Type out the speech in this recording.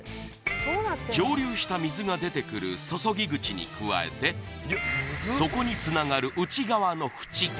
蒸留した水が出てくる注ぎ口に加えてそこにつながる内側のフチ